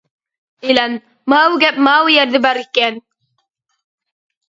ئېلان: ماۋۇ گەپ ماۋۇ يەردە بار ئىكەن.